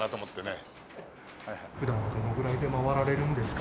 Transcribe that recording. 普段はどのぐらいで回られるんですか？